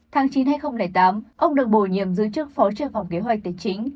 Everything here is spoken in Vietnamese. tháng chín tám ông được bổ nhiệm giữ chức phó trưởng phòng kế hoạch tài chính